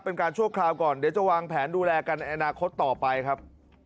ชั่วคราวก่อนเดี๋ยวจะวางแผนดูแลกันในอนาคตต่อไปครับ